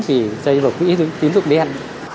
thì dây vào quỹ tín dụng đen